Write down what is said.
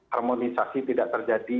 harmonisasi tidak terjadi